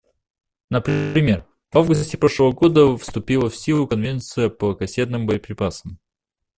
Например, в августе прошлого года вступила в силу Конвенция по кассетным боеприпасам.